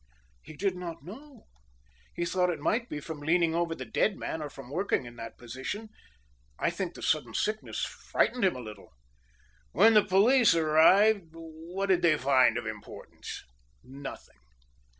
"He did not know. He thought it might be from leaning over the dead man, or from working in that position. I think the sudden sickness frightened him a little." "When the police arrived what did they find of importance?" "Nothing."